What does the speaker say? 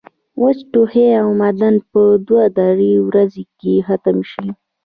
وچ ټوخی عموماً پۀ دوه درې ورځې کښې ختم شي